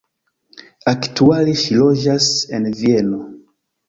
Aktuale ŝi loĝas en Vieno.